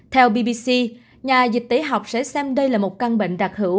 theo bbc nhà dịch tế học sẽ xem đây là một bệnh đặc hữu